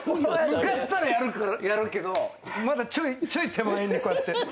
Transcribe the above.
向かったらやるけどまだちょい手前にこうやって。